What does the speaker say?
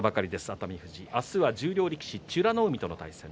熱海富士、明日は十両力士美ノ海との対戦。